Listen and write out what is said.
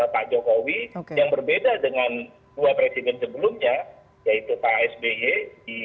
pak jokowi yang berbeda dengan dua presiden sebelumnya yaitu pak sby di